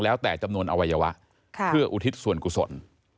แล้วแต่จำนวนอวัยวะเพื่ออุทิศส่วนกุศล